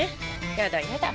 やだやだ。